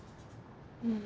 うん。